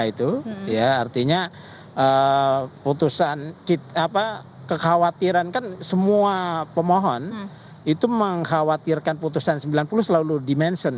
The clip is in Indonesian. itu ya artinya putusan kekhawatiran kan semua pemohon itu mengkhawatirkan putusan sembilan puluh selalu dimention